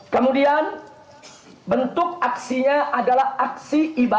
kemudian bentuk aksinya adalah aksi ibadah